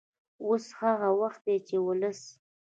اوس هغه وخت دی چې ولس